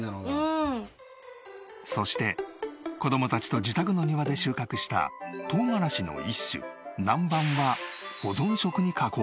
そして子供たちと自宅の庭で収穫した唐辛子の一種なんばんは保存食に加工。